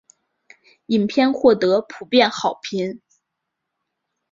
影片获得普遍好评。